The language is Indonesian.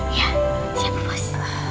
iya siap bos